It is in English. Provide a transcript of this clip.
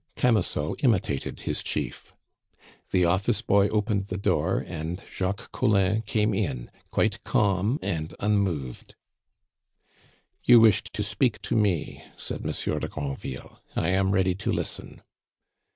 Camusot imitated his chief. The office boy opened the door, and Jacques Collin came in, quite calm and unmoved. "You wished to speak to me," said Monsieur de Granville. "I am ready to listen."